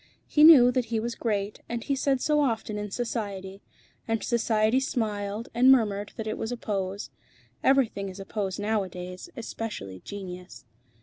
He knew that he was great, and he said so often in Society. And Society smiled and murmured that it was a pose. Everything is a pose nowadays, especially genius.